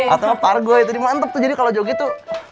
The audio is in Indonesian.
atau pargo itu mantep tuh jadi kalo joget tuh